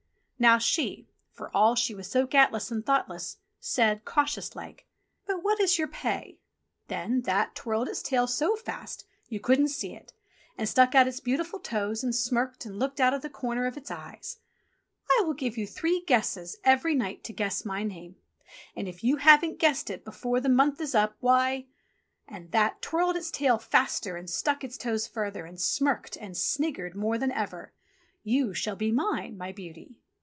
Now she, for all she was so gatless and thoughtless, said, cautious like :" But what is your pay V* TOM TIT TOT 31 Then That twirled its tail so fast you couldn't see It, and stuck out its beautiful toes, and smirked and looked out of the corners of its eyes. "I will give you three guesses every night to guess my name, and if you haven't guessed it before the month is up, why —" and That twirled its tail faster and stuck out its toes further, and smirked and sniggered more than ever — "you shall be mine, my beauty."